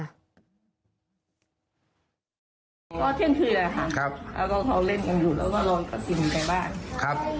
ก็เที่ยงมีคืนเลยนะคะครับ